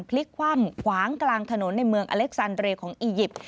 พลิกคว่ำขวางกลางถนนในเมืองอเล็กซานเรย์ของอียิปต์